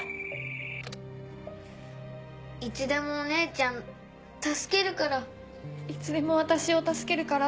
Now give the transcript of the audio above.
いつでもお姉ちゃん助けるから「いつでも私を助けるから」